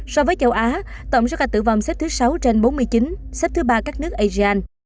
so với châu á tổng số ca tử vong xếp thứ sáu trên bốn mươi chín xếp thứ ba các nước asean